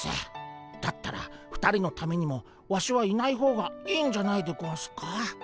だったら２人のためにもワシはいない方がいいんじゃないでゴンスか？